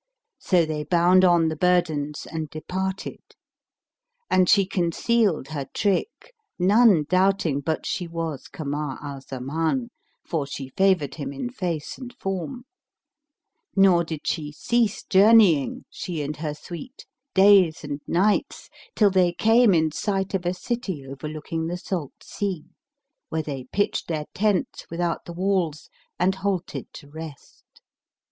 So they bound on the burdens and departed; and she concealed her trick, none doubting but she was Kamar al Zaman, for she favoured him in face and form; nor did she cease journeying, she and her suite, days and nights, till they came in sight of a city overlooking the Salt Sea, where they pitched their tents without the walls and halted to rest.